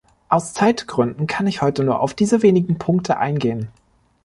Aus Zeitgründen kann ich heute nur auf diese wenigen Punkte eingehen.